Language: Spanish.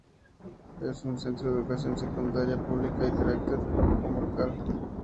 Es un centro de Educación Secundaria pública y de carácter comarcal.